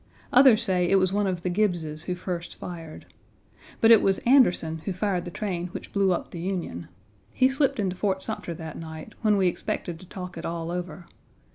Others say it was one of the Gibbeses who first fired. But it was Anderson who fired the train which blew up the Union. He slipped into Fort Sumter that night, when we expected to talk it all over.